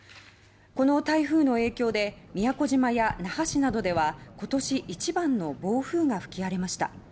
この台風の影響で宮古島や那覇市などでは今年一番の暴風が吹き荒れました。